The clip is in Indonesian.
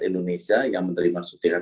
indonesia yang menerima suntikan